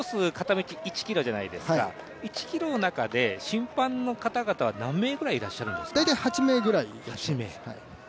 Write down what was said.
コース片道１ｋｍじゃないですか１ｋｍの中で審判の方々は何名ぐらいいらっしゃるんですか？